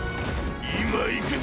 今行くぜ！